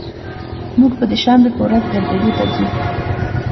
موږ به د شنبي په ورځ ګرځیدو ته ځو